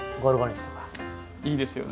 いいですよね。